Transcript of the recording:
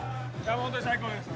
本当に最高です。